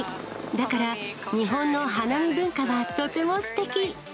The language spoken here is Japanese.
だから日本の花見文化はとてもす